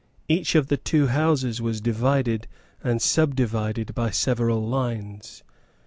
Each of the two Houses was divided and subdivided by several lines.